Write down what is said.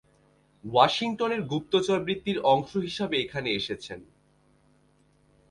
ওয়াশিংটনের গুপ্তচরবৃত্তির অংশ হিসেবে এখানে এসেছেন।